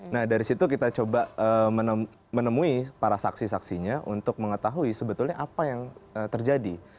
nah dari situ kita coba menemui para saksi saksinya untuk mengetahui sebetulnya apa yang terjadi